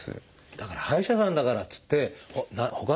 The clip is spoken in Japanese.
だから歯医者さんだからっつってほかの病気。